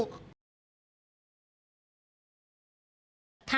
ขอบคุณครูหรืออะไรค่ะ